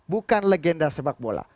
bukan legenda sepak bola